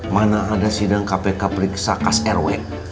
mana ada sidang kpk periksa kas rw